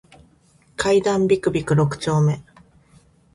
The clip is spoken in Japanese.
階段ビクビク六丁目